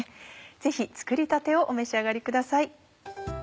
ぜひ作りたてをお召し上がりください。